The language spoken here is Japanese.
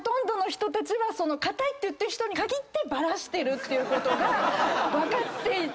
「堅い」って言ってる人に限ってバラしてるっていうことが分かっていて。